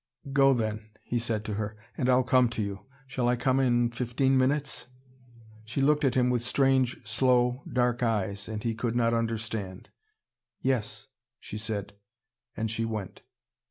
"Go then," he said to her. "And I'll come to you. Shall I come in fifteen minutes?" She looked at him with strange, slow dark eyes. And he could not understand. "Yes," she said. And she went.